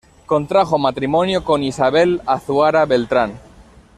Contrajo matrimonio con Isabel Azuara Beltrán.